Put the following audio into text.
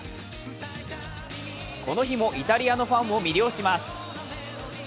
この日もイタリアのファンを魅了します。